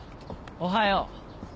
おはよう。